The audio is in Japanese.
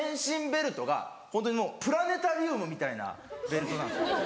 ベルトがホントにもうプラネタリウムみたいなベルトなんですよ。